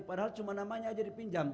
padahal cuma namanya aja dipinjam